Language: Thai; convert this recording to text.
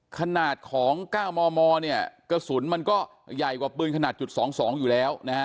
ขนาดของ๙มมเนี่ยกระสุนมันก็ใหญ่กว่าปืนขนาดจุด๒๒อยู่แล้วนะฮะ